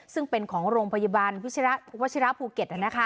ซึ่งเป็นของโรงพยาบาลวัชิระภูเก็ต